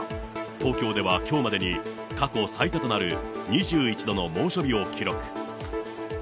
東京ではきょうまでに、過去最多となる２１度の猛暑日を記録。